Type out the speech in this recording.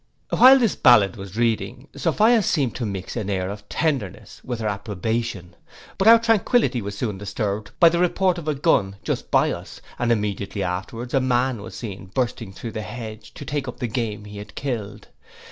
While this ballad was reading, Sophia seemed to mix an air of tenderness with her approbation. But our tranquillity was soon disturbed by the report of a gun just by us, and immediately after a man was seen bursting through the hedge, to take up the game he had killed.